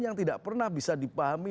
yang tidak pernah bisa dipahami